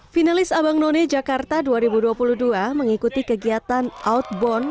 finalis abang none jakarta dua ribu dua puluh dua mengikuti kegiatan outbound